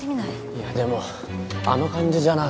いやでもあの感じじゃな。